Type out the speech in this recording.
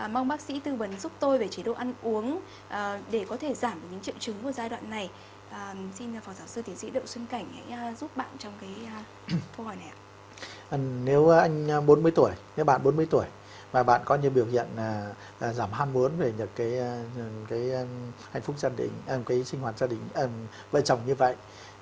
mong bác sĩ tư vấn giúp tôi về chế độ ăn uống để có thể giảm những triệu chứng của giai đoạn này